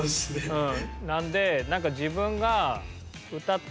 うん。